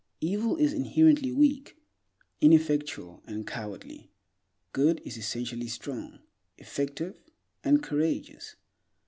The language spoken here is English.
Evil is inherently weak, ineffectual, and cowardly. Good is essentially strong, effective, and courageous.